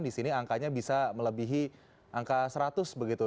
di sini angkanya bisa melebihi angka seratus begitu